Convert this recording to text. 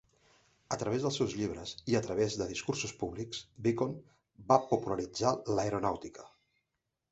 A través dels seus llibres, i a través de discursos públics, Bacon va popularitzar l'aeronàutica.